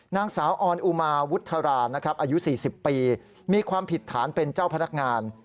นางสาวออนอุมาวุฒรานะครับอายุ๔๐ปีมีความผิดฐานเป็นเจ้าพนักงาน